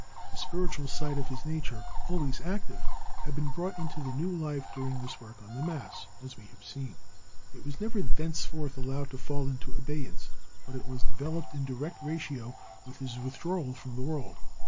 The spiritual side of his nature, always active, had been brought into new life during his work on the Mass, as we have seen. It was never thenceforth allowed to fall into abeyance, but was developed in direct ratio with his withdrawal from the world.